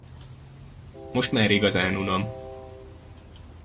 Most már igazán unom!